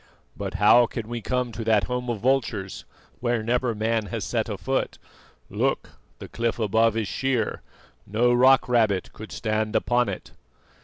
"But how can we come to that home of vultures, where never man has set a foot? Look, the cliff above is sheer; no rock rabbit could stand upon it."